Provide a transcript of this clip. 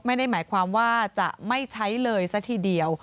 ไม่ได้หมายความว่าจะไม่ใช้เลยซะทีเดียว